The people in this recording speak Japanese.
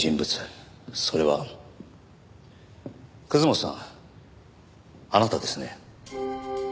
それは本さんあなたですね。